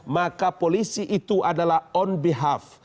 maka polisi itu adalah on behaf